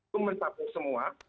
pemerintah pun semua